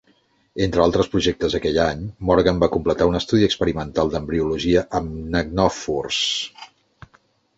Entre altres projectes aquell any, Morgan va completar un estudi experimental d'embriologia amb ctenòfors.